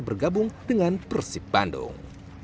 bergabung dengan persib bandung